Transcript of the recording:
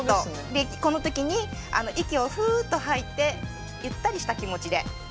でこの時に息をフーッと吐いてゆったりした気持ちで。